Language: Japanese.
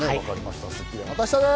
『スッキリ』はまた明日です。